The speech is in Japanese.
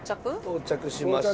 到着しましたかね。